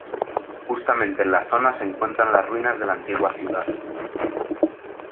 Justamente en la zona se encuentran las ruinas de la antigua ciudad.